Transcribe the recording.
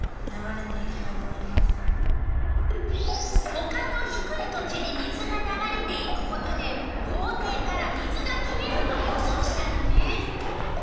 ほかのひくい土地に水がながれていくことで校庭から水が消えると予想したのね。